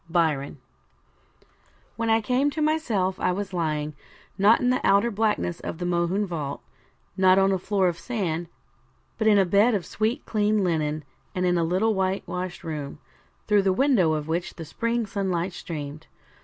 Byron When I came to myself I was lying, not in the outer blackness of the Mohune vault, not on a floor of sand; but in a bed of sweet clean linen, and in a little whitewashed room, through the window of which the spring sunlight streamed.